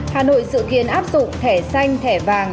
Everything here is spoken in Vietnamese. hà nội dự kiến áp dụng thẻ xanh thẻ vàng